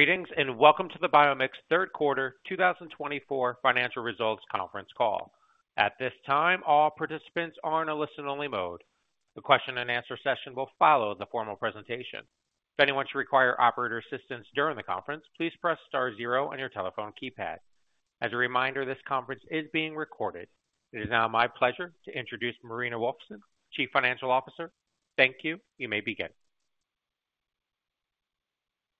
Greetings and Welcome to the BiomX Third Quarter 2024 Financial Results Conference Call. At this time, all participants are in a listen-only mode. The question-and-answer session will follow the formal presentation. If anyone should require operator assistance during the conference, please press star zero on your telephone keypad. As a reminder, this conference is being recorded. It is now my pleasure to introduce Marina Wolfson, Chief Financial Officer. Thank you. You may begin.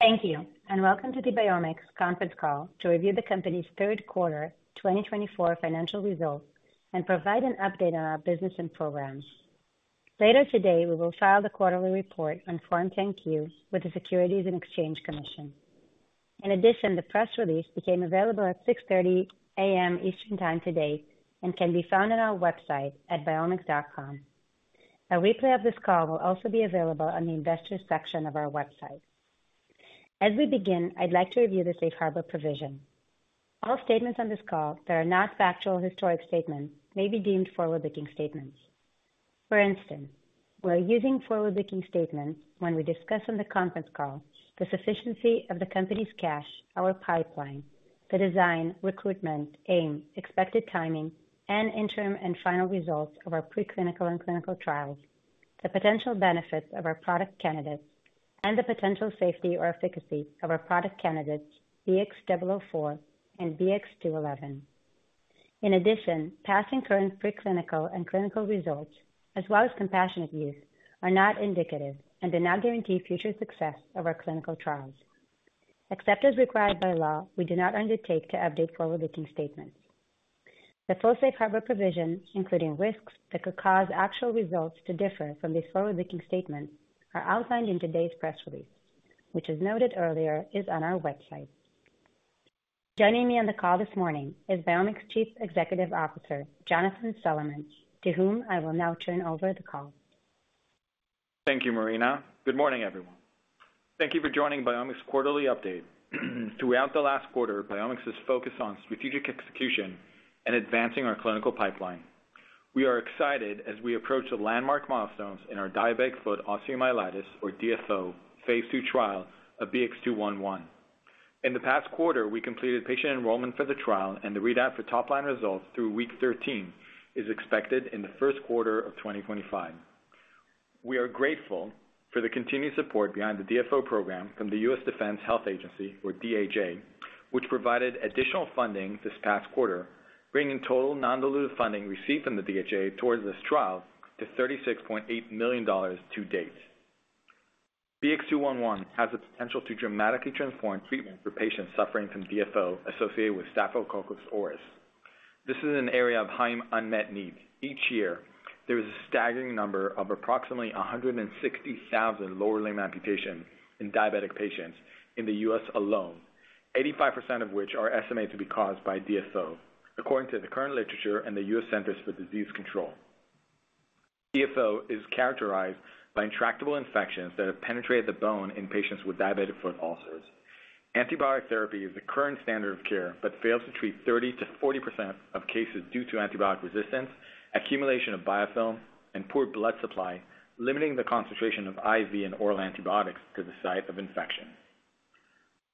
Thank you, and Welcome to the BiomX Conference Call to review the company's Q3 2024 financial results and provide an update on our business and programs. Later today, we will file the quarterly report on Form 10-Q with the Securities and Exchange Commission. In addition, the press release became available at 6:30 A.M. Eastern Time today and can be found on our website at biomx.com. A replay of this call will also be available on the Investors section of our website. As we begin, I'd like to review the safe harbor provision. All statements on this call that are not factual historic statements may be deemed forward-looking statements. For instance, we're using forward-looking statements when we discuss on the conference call the sufficiency of the company's cash, our pipeline, the design, recruitment, aim, expected timing, and interim and final results of our preclinical and clinical trials, the potential benefits of our product candidates, and the potential safety or efficacy of our product candidates BX004 and BX211. In addition, past and current preclinical and clinical results, as well as compassionate use, are not indicative and do not guarantee future success of our clinical trials. Except as required by law, we do not undertake to update forward-looking statements. The full safe harbor provision, including risks that could cause actual results to differ from these forward-looking statements, are outlined in today's press release, which, as noted earlier, is on our website. Joining me on the call this morning is BiomX Chief Executive Officer Jonathan Solomon, to whom I will now turn over the call. Thank you, Marina. Good morning, everyone. Thank you for joining BiomX Quarterly Update. Throughout the last quarter, BiomX has focused on strategic execution and advancing our clinical pipeline. We are excited as we approach the landmark milestones in our diabetic foot osteomyelitis, or DFO, phase II trial of BX211. In the past quarter, we completed patient enrollment for the trial, and the readout for top-line results through week 13 is expected in the Q1 of 2025. We are grateful for the continued support behind the DFO program from the U.S. Defense Health Agency, or DHA, which provided additional funding this past quarter, bringing total non-dilutive funding received from the DHA towards this trial to $36.8 million to date. BX211 has the potential to dramatically transform treatment for patients suffering from DFO associated with Staphylococcus aureus. This is an area of high unmet need. Each year, there is a staggering number of approximately 160,000 lower limb amputations in diabetic patients in the US alone, 85% of which are estimated to be caused by DFO, according to the current literature and the U.S. Centers for Disease Control. DFO is characterized by intractable infections that have penetrated the bone in patients with diabetic foot ulcers. Antibiotic therapy is the current standard of care but fails to treat 30%-40% of cases due to antibiotic resistance, accumulation of biofilm, and poor blood supply, limiting the concentration of IV and oral antibiotics to the site of infection.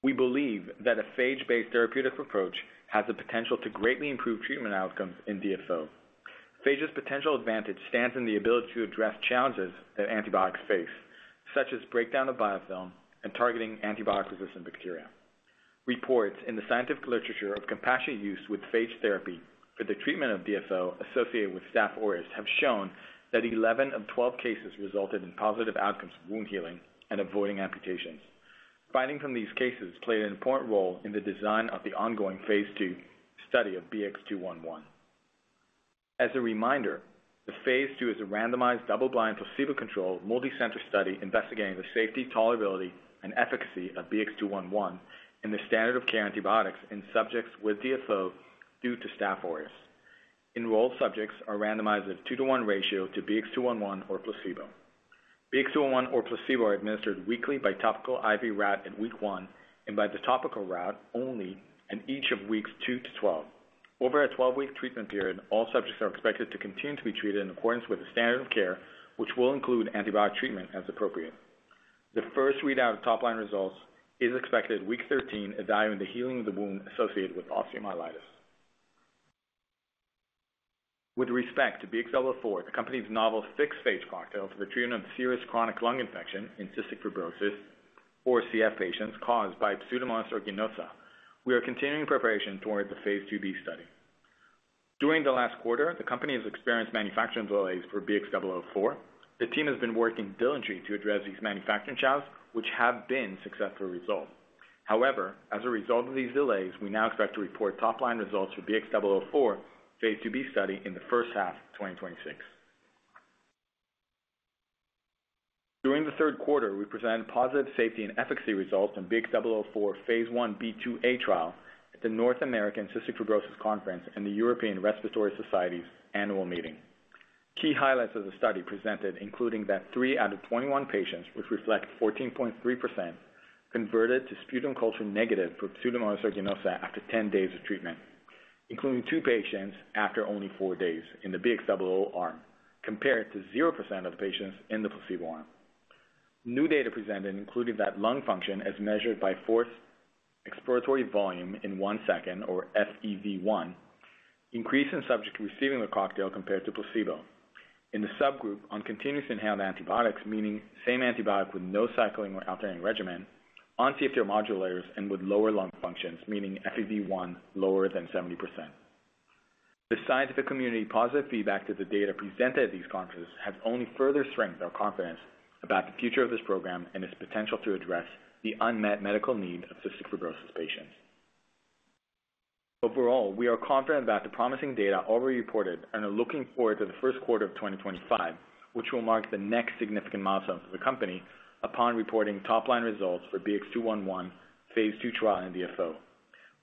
We believe that a phage-based therapeutic approach has the potential to greatly improve treatment outcomes in DFO. Phage's potential advantage stands in the ability to address challenges that antibiotics face, such as breakdown of biofilm and targeting antibiotic-resistant bacteria. Reports in the scientific literature of compassionate use with phage therapy for the treatment of DFO associated with Staph aureus have shown that 11 of 12 cases resulted in positive outcomes of wound healing and avoiding amputations. Findings from these cases played an important role in the design of the ongoing phase II study of BX211. As a reminder, the phase II is a randomized double-blind placebo-controlled multi-center study investigating the safety, tolerability, and efficacy of BX211 in the standard of care antibiotics in subjects with DFO due to Staph aureus. Enrolled subjects are randomized at a two-to-one ratio to BX211 or placebo. BX211 or placebo are administered weekly by topical IV route at week one and by the topical route only at each of weeks 2-12. Over a 12-week treatment period, all subjects are expected to continue to be treated in accordance with the standard of care, which will include antibiotic treatment as appropriate. The first readout of top-line results is expected at week 13, evaluating the healing of the wound associated with osteomyelitis. With respect to BX004, the company's novel fixed phage cocktail for the treatment of serious chronic lung infection in cystic fibrosis or CF patients caused by Pseudomonas aeruginosa, we are continuing preparation toward the phase II-B study. During the last quarter, the company has experienced manufacturing delays for BX004. The team has been working diligently to address these manufacturing challenges, which have been successfully resolved. However, as a result of these delays, we now expect to report top-line results for BX004 phase II-B study in the first half of 2026. During the third quarter, we presented positive safety and efficacy results in BX004 phase I-B/2A trial at the North American Cystic Fibrosis Conference and the European Respiratory Society's annual meeting. Key highlights of the study presented, including that three out of 21 patients, which reflect 14.3%, converted to sputum culture negative for Pseudomonas aeruginosa after 10 days of treatment, including two patients after only four days in the BX004 arm, compared to 0% of the patients in the placebo arm. New data presented included that lung function is measured by forced expiratory volume in one second, or FEV1, increase in subjects receiving the cocktail compared to placebo. In the subgroup, on continuous inhaled antibiotics, meaning same antibiotic with no cycling or alternating regimen, on CFTR modulators and with lower lung functions, meaning FEV1 lower than 70%. The scientific community's positive feedback to the data presented at these conferences has only further strengthened our confidence about the future of this program and its potential to address the unmet medical need of cystic fibrosis patients. Overall, we are confident about the promising data already reported and are looking forward to the Q1 of 2025, which will mark the next significant milestone for the company upon reporting top-line results for BX211 phase II trial in DFO.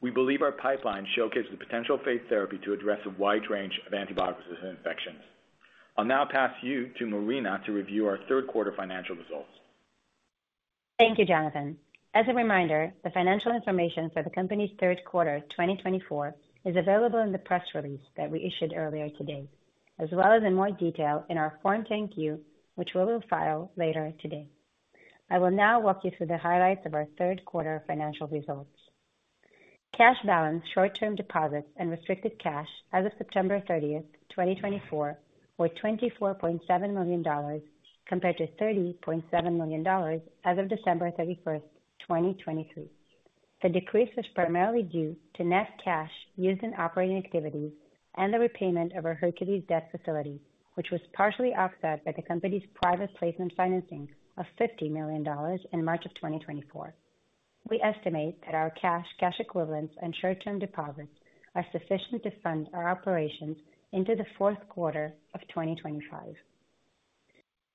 We believe our pipeline showcases the potential of phage therapy to address a wide range of antibiotic-resistant infections. I'll now pass you to Marina to review our third quarter financial results. Thank you, Jonathan. As a reminder, the financial information for the company's Q3 2024 is available in the press release that we issued earlier today, as well as in more detail in our Form 10-Q, which we will file later today. I will now walk you through the highlights of our third quarter financial results. Cash balance, short-term deposits, and restricted cash as of 30 September 2024, were $24.7 million compared to $30.7 million as of 31 December 2023. The decrease was primarily due to net cash used in operating activities and the repayment of a Hercules debt facility, which was partially offset by the company's private placement financing of $50 million in March of 2024. We estimate that our cash, cash equivalents, and short-term deposits are sufficient to fund our operations into the Q4 of 2025.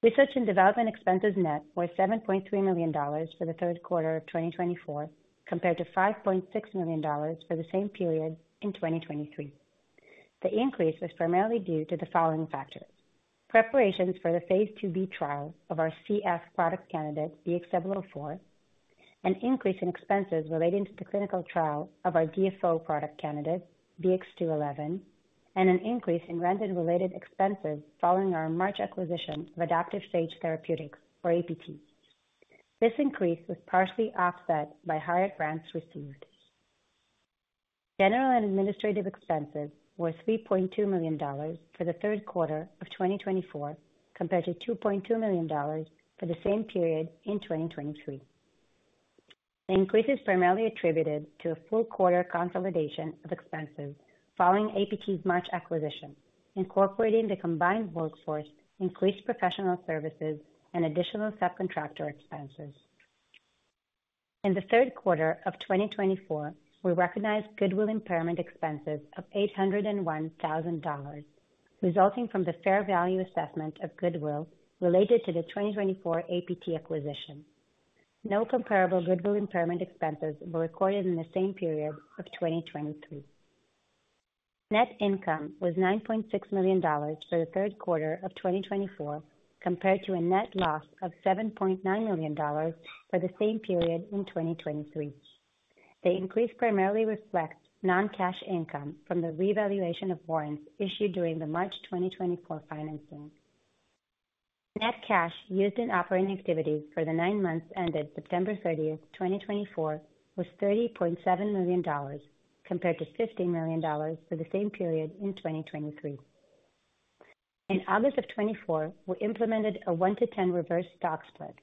Research and development expenses net were $7.3 million for the Q3 of 2024 compared to $5.6 million for the same period in 2023. The increase was primarily due to the following factors: preparations for the phase II-B trial of our CF product candidate, BX004, an increase in expenses relating to the clinical trial of our DFO product candidate, BX211, and an increase in rent-related expenses following our March acquisition of Adaptive Phage Therapeutics, or APT. This increase was partially offset by higher grants received. General and administrative expenses were $3.2 million for the Q3 of 2024 compared to $2.2 million for the same period in 2023. The increase is primarily attributed to a full quarter consolidation of expenses following APT's March acquisition, incorporating the combined workforce, increased professional services, and additional subcontractor expenses. In the third quarter of 2024, we recognized goodwill impairment expenses of $801,000 resulting from the fair value assessment of goodwill related to the 2024 APT acquisition. No comparable goodwill impairment expenses were recorded in the same period of 2023. Net income was $9.6 million for the Q3 of 2024 compared to a net loss of $7.9 million for the same period in 2023. The increase primarily reflects non-cash income from the revaluation of warrants issued during the March 2024 financing. Net cash used in operating activities for the nine months ended 30 September 2024, was $30.7 million compared to $15 million for the same period in 2023. In August of 2024, we implemented a 1 to 10 reverse stock split.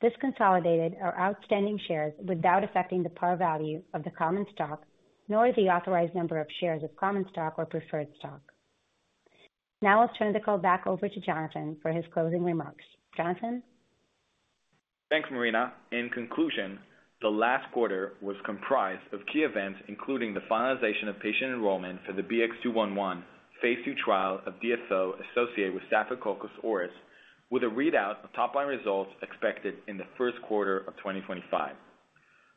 This consolidated our outstanding shares without affecting the par value of the common stock, nor the authorized number of shares of common stock or preferred stock. Now I'll turn the call back over to Jonathan for his closing remarks. Jonathan? Thanks, Marina. In conclusion, the last quarter was comprised of key events, including the finalization of patient enrollment for the BX211 phase II trial of DFO associated with Staphylococcus aureus, with a readout of top-line results expected in the Q1 of 2025.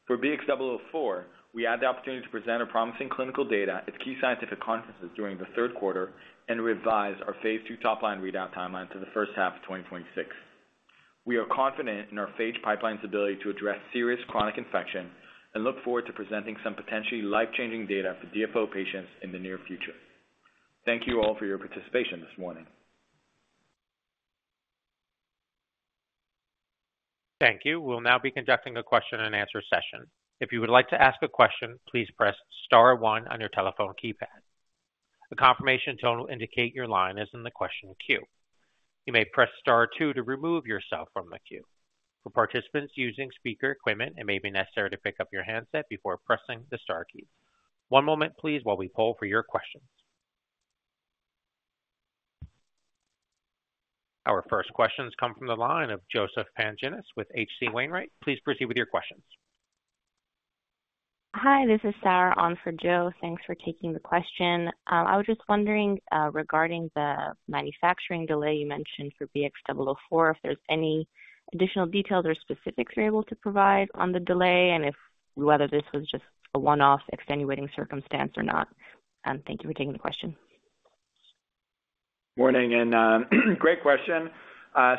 For BX004, we had the opportunity to present our promising clinical data at key scientific conferences during the Q3 and revise our phase II top-line readout timeline to the first half of 2026. We are confident in our phage pipeline's ability to address serious chronic infection and look forward to presenting some potentially life-changing data for DFO patients in the near future. Thank you all for your participation this morning. Thank you. We'll now be conducting a question-and-answer session. If you would like to ask a question, please press star one on your telephone keypad. A confirmation tone will indicate your line is in the question queue. You may press star two to remove yourself from the queue. For participants using speaker equipment, it may be necessary to pick up your handset before pressing the star keys. One moment, please, while we poll for your questions. Our first questions come from the line of Joseph Pantginis with H.C. Wainwright. Please proceed with your questions. Hi, this is Sarah on for Joe. Thanks for taking the question. I was just wondering regarding the manufacturing delay you mentioned for BX004, if there's any additional details or specifics you're able to provide on the delay, and whether this was just a one-off extenuating circumstance or not, and thank you for taking the question. Morning. And great question.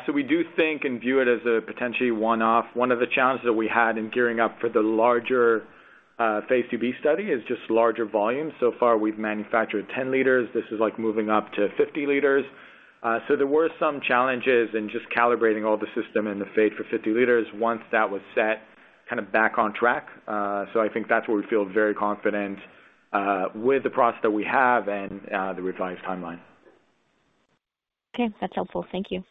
So we do think and view it as a potentially one-off. One of the challenges that we had in gearing up for the larger phase II-B study is just larger volume. So far, we've manufactured 10 liters. This is like moving up to 50 liters. So there were some challenges in just calibrating all the system in the phage for 50 liters once that was set kind of back on track. So I think that's where we feel very confident with the process that we have and the revised timeline. Okay. That's helpful. Thank you.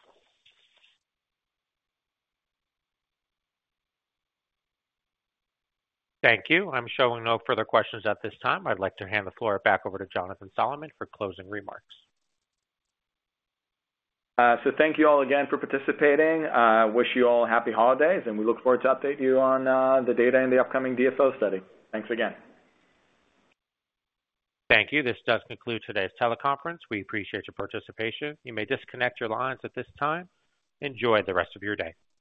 Thank you. I'm showing no further questions at this time. I'd like to hand the floor back over to Jonathan Solomon for closing remarks. So thank you all again for participating. I wish you all happy holidays, and we look forward to updating you on the data and the upcoming DFO study. Thanks again. Thank you. This does conclude today's teleconference. We appreciate your participation. You may disconnect your lines at this time. Enjoy the rest of your day.